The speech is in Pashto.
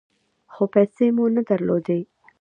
خو پیسې مو نه درلودې .